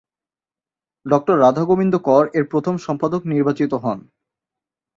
ডঃ রাধাগোবিন্দ কর এর প্রথম সম্পাদক নির্বাচিত হন।